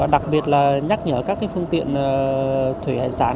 đặc biệt là nhắc nhở các phương tiện thủy hải sản